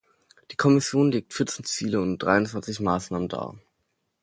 Die Kommission legt vierzehn Ziele und dreiundzwanzig Maßnahmen dar.